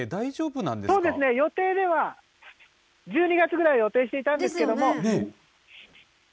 そうですね、予定では、１２月ぐらいを予定していたんですけれども。